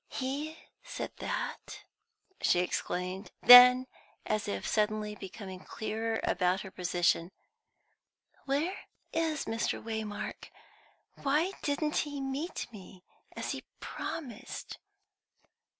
"He said that?" she exclaimed. Then, as if suddenly becoming clearer about her position: "Where is Mr. Waymark? Why didn't he meet me as he promised?"